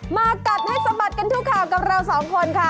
มากัดให้สะบัดกันทุกข่าวกับเราสองคนค่ะ